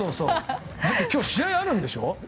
だって今日試合、あるんでしょ？